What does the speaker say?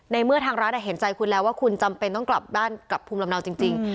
เมื่อทางรัฐเห็นใจคุณแล้วว่าคุณจำเป็นต้องกลับบ้านกลับภูมิลำเนาจริง